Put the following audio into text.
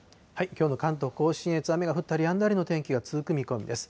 きょうの関東甲信越、雨が降ったりやんだりの天気が続く見込みです。